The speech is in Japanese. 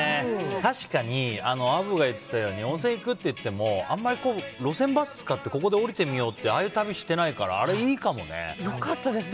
確かに、アブが言っていたように温泉行くって言ってもあんまり路線バス使ってここで降りてみようってああいう旅してないから良かったです。